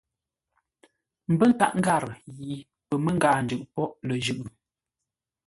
Mbə́ nkâʼ ngarə yi pəməngâa njʉʼ póghʼ lə jʉ́.